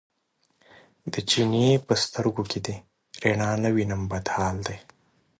د چیني په سترګو کې دې رڼا نه وینم بد حال دی.